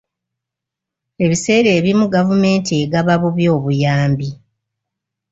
Ebiseera ebimu gavumenti egaba bubi obuyambi.